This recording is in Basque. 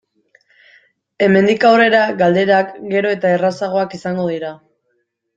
Hemendik aurrera galderak gero eta errazagoak izango dira.